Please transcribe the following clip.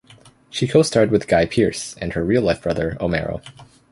She co-starred with Guy Pearce and her real-life brother, Omero.